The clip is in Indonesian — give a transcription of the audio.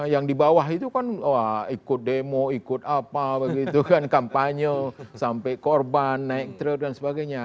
yang di bawah itu kan ikut demo ikut apa kampanye sampai korban naik truk dan sebagainya